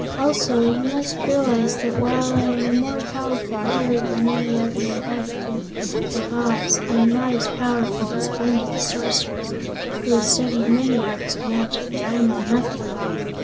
Also, you must realize that while I am a more powerful fairy than any other inhabitant of Oz, I am not as powerful as Glinda the Sorceress, who has studied many arts of magic that I know nothing of.